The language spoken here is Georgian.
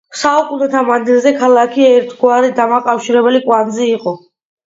საუკუნეთა მანძილზე, ქალაქი ერთგვარი დამაკავშირებელი კვანძი იყო.